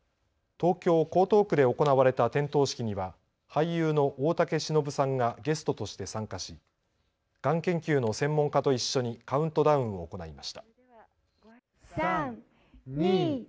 東京江東区で行われた点灯式には俳優の大竹しのぶさんがゲストとして参加しがん研究の専門家と一緒にカウントダウンを行いました。